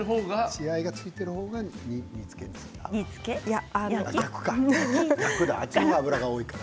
血合いが付いてる方が煮つけですか。